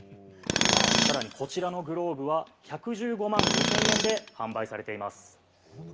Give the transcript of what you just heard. さらにこちらのグローブは１１５万５０００円で販売されています。